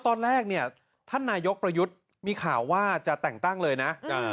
ตอนแรกทหารยกประยุทธ์มีข่าวว่าจะแต่งตั้งเลยนะ